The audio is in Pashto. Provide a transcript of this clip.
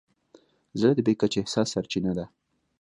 زړه د بې کچې احساس سرچینه ده.